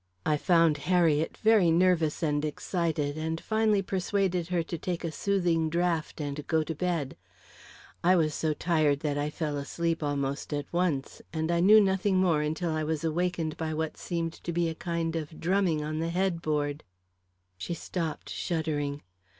I found Harriet very nervous and excited, and finally persuaded her to take a soothing draught and go to bed. I was so tired that I fell asleep almost at once, and I knew nothing more until I was awakened by what seemed to be a kind of drumming on the head board." She stopped, shuddering.